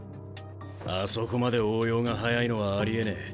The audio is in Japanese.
あそこまで応用が早いのはありえねえ。